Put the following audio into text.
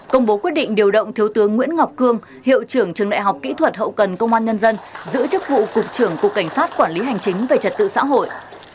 công bố quyết định điều động thiếu tướng nguyễn ngọc cương hiệu trưởng trường đại học kỹ thuật hậu cần công an nhân dân giữ chức vụ cục trưởng cục cảnh sát quản lý hành chính về trật tự xã hội